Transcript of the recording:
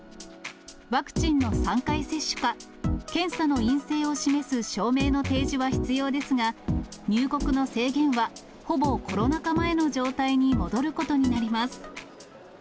ワクチンの３回接種か、検査の陰性を示す証明の提示は必要ですが、入国の制限はほぼコロナ禍前の状態に戻ることになります。